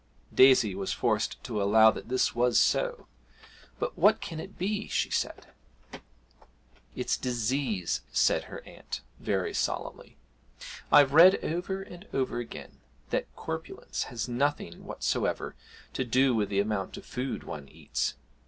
Daisy was forced to allow that this was so. 'But what can it be?' she said. 'It's disease,' said her aunt, very solemnly. 'I've read over and over again that corpulence has nothing whatever to do with the amount of food one eats.